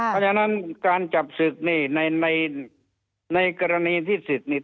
เพราะฉะนั้นการจับศึกนี่ในกรณีที่ศึกนี่